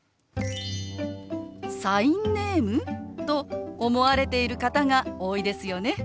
「サインネーム？」と思われている方が多いですよね。